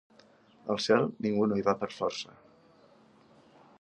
Al cel ningú no hi va per força.